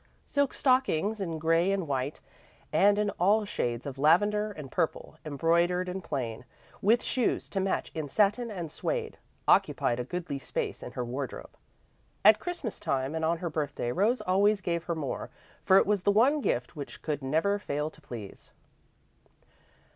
Silk stockings in grey and white, and in all shades of lavender and purple, embroidered and plain, with shoes to match in satin and suede, occupied a goodly space in her wardrobe. At Christmas time and on her birthday, Rose always gave her more, for it was the one gift which could never fail to please.